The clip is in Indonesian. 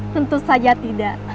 tentu saja tidak